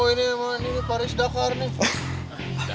ini paris dakar nih